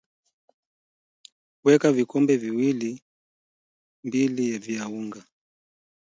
weka vikombe viwili mbili vya unga